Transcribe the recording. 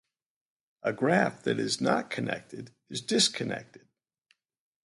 A graph that is not connected is disconnected.